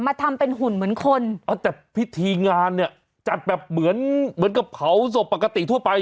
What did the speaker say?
ทำเป็นหุ่นเหมือนคนเอาแต่พิธีงานเนี่ยจัดแบบเหมือนเหมือนกับเผาศพปกติทั่วไป